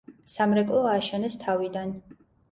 სამრეკლო ააშენეს თავიდან.